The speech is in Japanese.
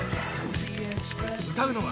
［歌うのは］